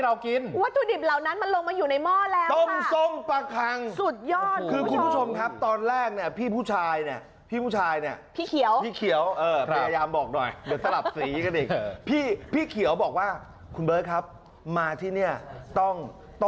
แล้วนี่อย่างต้มส้มปลาคังมันจะมีผักพื้นบ้านผักขยาง